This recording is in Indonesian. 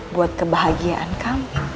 buat kebahagiaan kamu